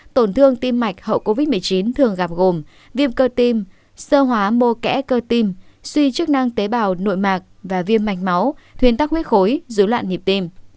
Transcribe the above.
tổn thương tim mạch hậu covid một mươi chín thường gặp gồm viêm cơ tim sơ hóa mô kẽ cơ tim suy chức năng tế bào nội mạc và viêm mạch máu thuyên tắc huyết khối dối loạn nhịp tim